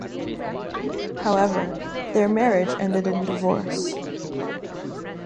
However, their marriage ended in divorce.